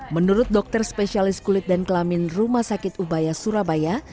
menurut dokter spesialis kulit dan kelamin rumah sakit ubaya surabaya